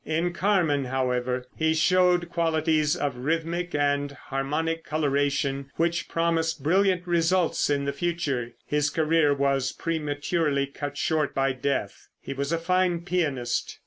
In "Carmen," however, he showed qualities of rhythmic and harmonic coloration which promised brilliant results in the future. His career was prematurely cut short by death. He was a fine pianist.